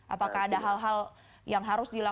apakah ada hal hal yang harus dilakukan